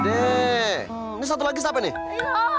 ini satu lagi siapa nih